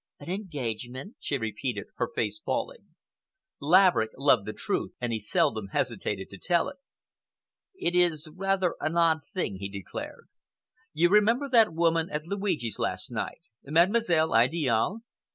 "An engagement?" she repeated, her face falling. Laverick loved the truth and he seldom hesitated to tell it. "It is rather an odd thing," he declared. "You remember that woman at Luigi's last night—Mademoiselle Idiale?"